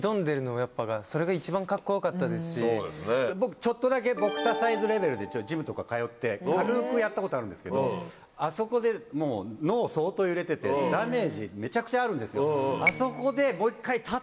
僕ちょっとだけボクササイズレベルでジムとか通って軽くやったことあるんですけどあそこでもう脳相当揺れててダメージめちゃくちゃあるんですよ。